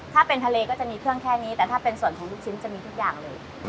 ถ้าเป็นทะเลก็จะมีเครื่องแค่นี้แต่ถ้าเป็นส่วนของลูกชิ้นจะมีทุกอย่างเลย